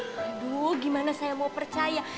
waduh gimana saya mau percaya